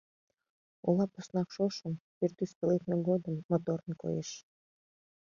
Ола поснак шошым, пӱртӱс пеледме годым, моторын коеш.